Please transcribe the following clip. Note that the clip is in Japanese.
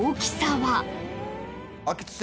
はい。